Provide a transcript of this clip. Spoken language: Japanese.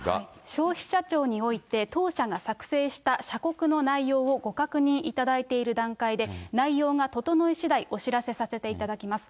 消費者庁において、当社が作成した社告の内容をご確認いただいている段階で、内容が整いしだい、お知らせさせていただきます。